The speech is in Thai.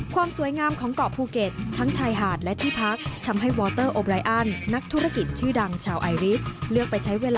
จริงออกเวลาฉันพร้อมขึ้นแรงไปแทน